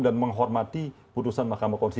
dan menghormati putusan mahkamah konstitusi